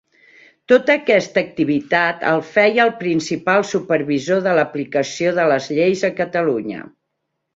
Tota aquesta activitat el feia el principal supervisor de l'aplicació de les lleis a Catalunya.